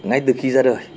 ngay từ khi ra đời